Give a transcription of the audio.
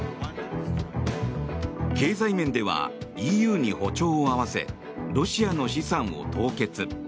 経済面ではＥＵに歩調を合わせロシアの資産を凍結。